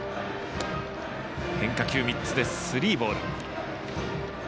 変化球３つでスリーボール。